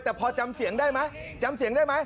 แต่พอจำเสียงได้ไหมจำเสียงได้ไหม